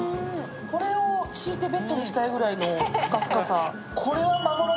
これを敷いてベッドにしたいぐらいのふかふかさ。